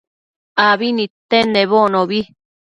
abi nidtenedbocnobi